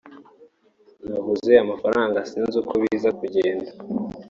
nabuze amafaranga sinzi uko biza kugenda